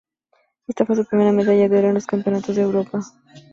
Esta fue su primera medalla de oro en los Campeonatos de Europa.